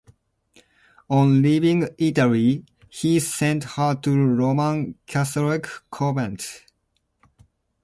On leaving Italy, he sent her to a Roman Catholic convent.